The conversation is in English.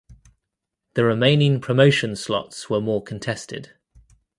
The remaining promotion slots were more contested.